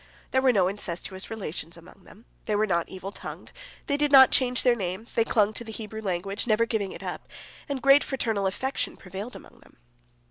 There were no incestuous relations among them, they were not evil tongued, they did not change their names, they clung to the Hebrew language, never giving it up, and great fraternal affection prevailed among them.